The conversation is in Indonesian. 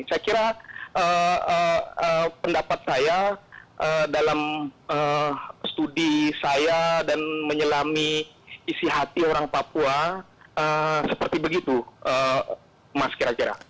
saya kira pendapat saya dalam studi saya dan menyelami isi hati orang papua seperti begitu mas kira kira